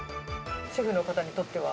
主婦の方にとっては？